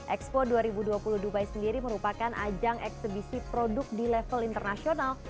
expo dua ribu dua puluh dubai sendiri merupakan ajang eksebisi produk di level internasional